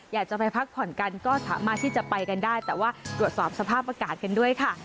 อยากจะไปพักผ่อนกันก็สามารถที่จะไปกันได้แต่ว่าตรวจสอบสภาพอากาศกันด้วยค่ะ